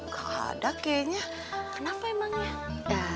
gak ada kayaknya kenapa emangnya